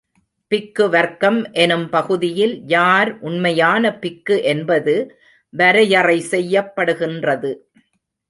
பிக்கு வர்க்கம் எனும் பகுதியில் யார் உண்மையான பிக்கு என்பது வரையறை செய்யப்படுகின்றது.